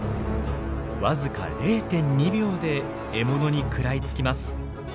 僅か０．２秒で獲物に食らいつきます。